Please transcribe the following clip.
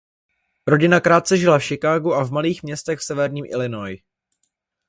Rodina krátce žila v Chicagu a v malých městech v severním Illinois.